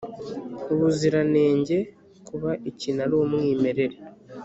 ubuziranenge: kuba ikintu ari umwimerere